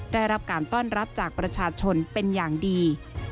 ได้รับการต้อนรับจากประชาชนเป็นอย่างดี